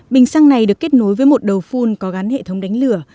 bình xăng này được kết nối với một đầu phun có gắn hệ thống đánh lửa